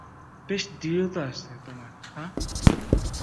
বেশ দৃঢ়তা আছে তোমার, হাহ?